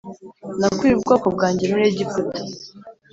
Nakuye ubwoko bwanjye muri Egiputa